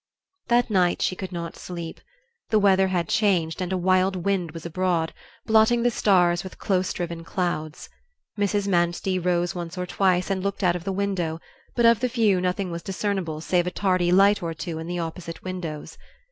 That night she could not sleep. The weather had changed and a wild wind was abroad, blotting the stars with close driven clouds. Mrs. Manstey rose once or twice and looked out of the window; but of the view nothing was discernible save a tardy light or two in the opposite windows.